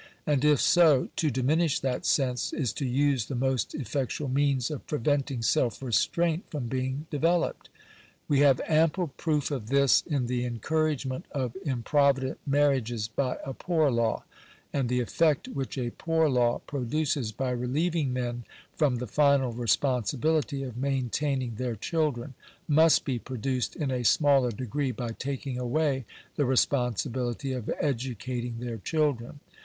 And if so, to diminish that sense is to use the most effectual means of preventing self restraint from being developed. We have ample proof of this in the encouragement of improvident marriages by a poor law ; and the effect which a poor law produces by relieving men from the final responsibility of maintaining their children, must be produced in a smaller degree by taking away the responsibility of educating their children.